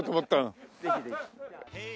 ぜひぜひ。